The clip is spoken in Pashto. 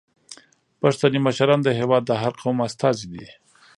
پښتني مشران د هیواد د هر قوم استازي دي.